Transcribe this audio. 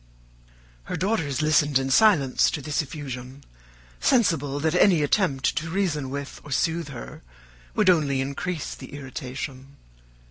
Her daughters listened in silence to this effusion, sensible that any attempt to reason with or soothe her would only increase the irritation.